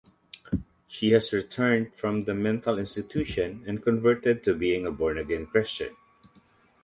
She has returned from the mental institution and converted to being a born-again-Christian.